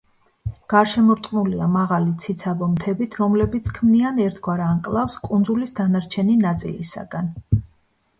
გარშემორტყმულია მაღალი ციცაბო მთებით, რომლებიც ქმნიან ერთგვარ ანკლავს კუნძულის დანარჩენი ნაწილისაგან.